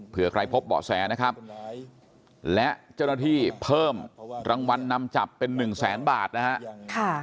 เพื่อใครพบเบาะแสนะครับและเจ้าหน้าที่เพิ่มรางวัลนำจับเป็นหนึ่งแสนบาทนะฮะ